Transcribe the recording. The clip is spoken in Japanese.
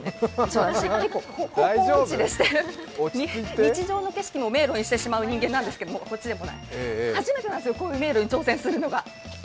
私、結構方向音痴でして日常の景色も迷路にしてしまう人間なんですけとも初めてなんですよ、こういう迷路に挑戦するのは。